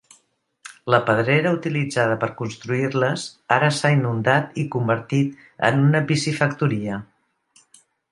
La pedrera utilitzada per construir-les ara s'ha inundat i convertit en una piscifactoria.